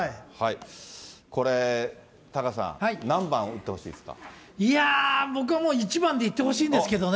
これ、タカさん、いやー、僕はもう一番でいってほしいんですけどね。